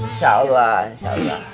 insya allah insya allah